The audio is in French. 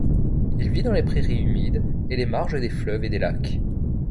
Il vit dans les prairies humides et les marges des fleuves et des lacs.